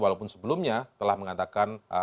walaupun sebelumnya telah mengatakan